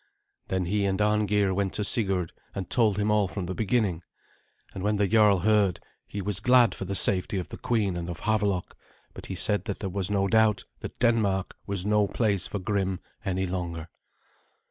Then he and Arngeir went to Sigurd, and told him all from the beginning. And when the jarl heard, he was glad for the safety of the queen and of Havelok, but he said that there was no doubt that Denmark was no place for Grim any longer.